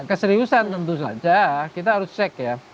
keseriusan tentu saja kita harus cek ya